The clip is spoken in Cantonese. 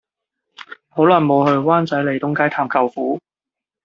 好耐無去灣仔利東街探舅父